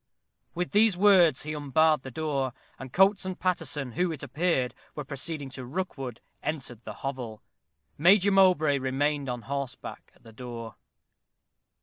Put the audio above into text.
With these words he unbarred the door, and Coates and Paterson, who, it appeared, were proceeding to Rookwood, entered the hovel. Major Mowbray remained on horseback at the door.